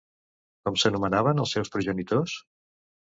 Com s'anomenaven els seus progenitors?